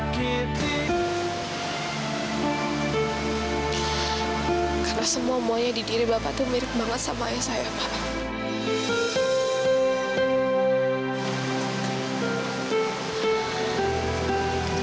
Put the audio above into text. karena semuanya di diri bapak itu mirip banget sama ayah saya pak